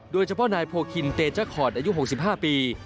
โดยเฉพาะนายโพคินเตจ้าคอร์ดอายุ๖๕ปี